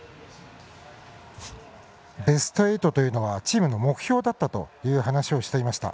ベスト８というのはチームの目標だったと話していました。